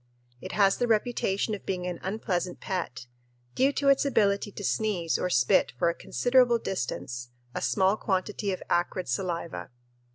It has the reputation of being an unpleasant pet, due to its ability to sneeze or spit for a considerable distance a small quantity of acrid saliva.